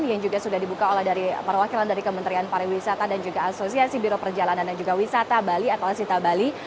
yang juga sudah dibuka oleh perwakilan dari kementerian pariwisata dan juga asosiasi biro perjalanan dan juga wisata bali atau asita bali